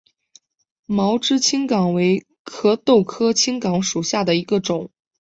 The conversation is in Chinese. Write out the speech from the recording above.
毛枝青冈为壳斗科青冈属下的一个种。